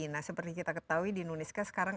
nah seperti kita ketahui di indonesia sekarang